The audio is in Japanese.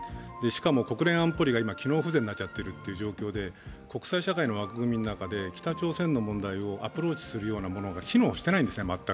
しかも国連安保理が今、機能不全になっちゃっているという状況で国際社会の枠組みの中で北朝鮮の問題をアプローチするようなものが全く機能していないんですね。